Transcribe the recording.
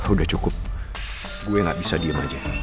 udah cukup gue gak bisa diem aja